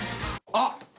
あっ！